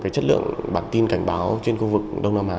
chất lượng bản tin cảnh báo trên khu vực đông nam á